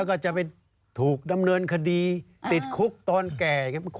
กดดังกดดังก็เรียกกดดัง